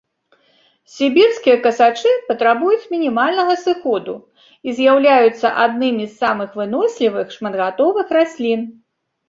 Сібірскія касачы патрабуюць мінімальнага сыходу і з'яўляюцца аднымі з самых вынослівых шматгадовых раслін.